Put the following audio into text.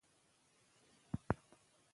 لاسته راوړنې په مینه او احترام سره څرګندې کړئ.